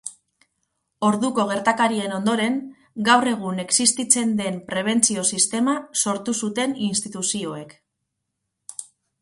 Orduko gertakarien ondoren, gaur egun existitzen den prebentzio-sistema sortu zuten instituzioek.